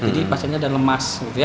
jadi pasiennya udah lemas